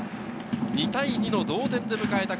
２対２の同点で迎えた